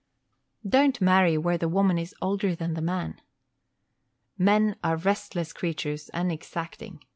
Don't marry where the woman is older than the man. Men are restless creatures and exacting.